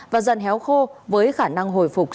và dần héo khô với khả năng hồi phục